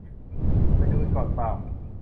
ไปดูกันก่อนป่าว